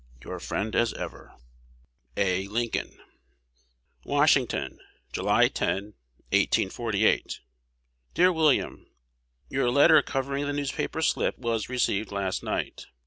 Your friend as ever, A. Lincoln. Washington, July 10, 1848. Dear William, Your letter covering the newspaper slips was received last night.